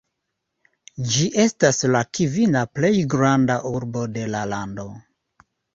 Ĝi estas la kvina plej granda urbo de la lando.